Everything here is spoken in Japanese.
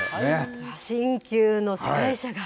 新旧の司会者が。